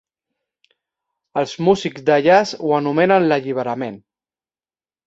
Els músics de jazz ho anomenen "l'alliberament".